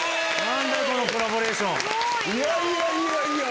何だ⁉このコラボレーション！